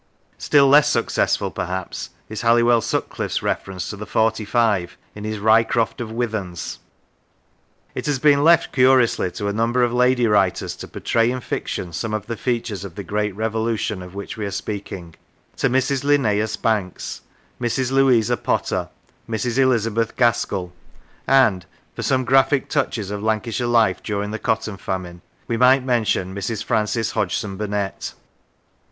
Still less successful, perhaps, is Halliwell Sutcliife's reference to the Forty five in his " Ricroft of Withens." It has been left, curiously, to a number of lady writers to pourtray in fiction some of the features of the Great Revolution of which we are speaking to Mrs. Linnaeus Banks, Mrs. Louisa Potter, Mrs. Elizabeth Gaskell, and (for some graphic touches of Lancashire life during the cotton famine) we might mention Mrs. Frances Hodgson Burnett.